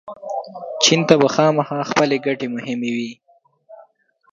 چین ته به خامخا خپلې ګټې مهمې وي.